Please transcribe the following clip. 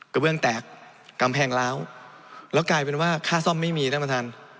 เบื้องแตกกำแพงล้าวแล้วกลายเป็นว่าค่าซ่อมไม่มีท่านประธาน